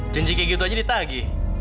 jenci kayak gitu aja ditagi